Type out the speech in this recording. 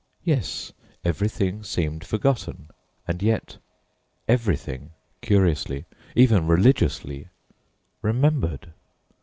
Yes, everything seemed forgotten and yet everything, curiously even religiously remembered.